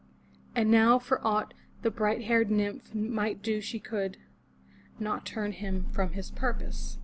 And now for aught the bright haired nymph might do she could not turn him from his purpose.